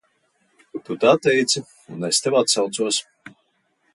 Tu tā teici, un es tev atsaucos!